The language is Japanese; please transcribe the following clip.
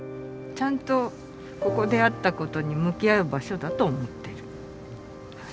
ちゃんとここであったことに向き合う場所だと思ってる。